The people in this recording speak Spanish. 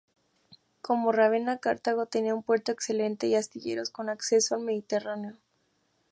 Como Rávena, Cartago tenía un puerto excelente y astilleros con acceso al Mediterráneo.